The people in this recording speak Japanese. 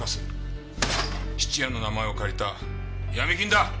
質屋の名前を借りた闇金だ！